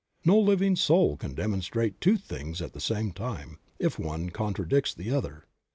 No living soul can demonstrate two things at the same time, if one contradicts the other.